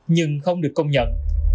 nhưng không được công nhận